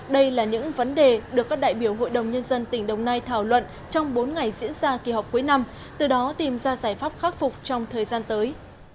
đây là những vấn đề được các đại biểu hội đồng nhân dân tỉnh đồng nai thảo luận trong bốn ngày diễn ra kỳ họp cuối năm từ đó tìm ra giải pháp khắc phục trong thời gian tới